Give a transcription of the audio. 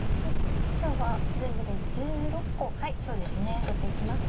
今日は全部で１６個作って行きます。